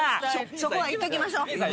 そこは行っときましょう。